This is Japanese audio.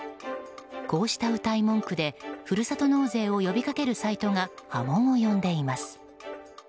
こうしたうたい文句でふるさと納税を呼びかけるサイトが波紋を呼んでいます。